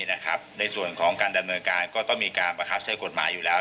ในส่วนของการดำเนินการก็ต้องมีการประคับใช้กฎหมายอยู่แล้ว